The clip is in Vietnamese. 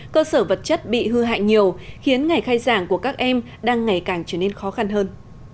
cơ sở vật chất bị hư hại nhiều khiến ngày khai giảng của các em đang ngày càng trở nên khó khăn hơn